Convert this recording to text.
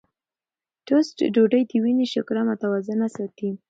ټوسټ ډوډۍ د وینې شکره متوازنه ساتي.